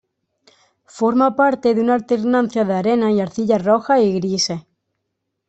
Forma parte de una alternancia de arenas y arcillas rojas y grises.